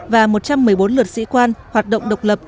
và một trăm một mươi bốn luật sĩ quan hoạt động độc lập